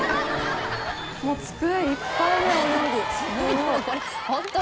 もう机いっぱいにお料理すごい。